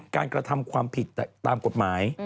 กระทำความผิดตามกฎหมาย